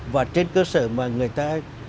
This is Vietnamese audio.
và trên cơ sở mà người ta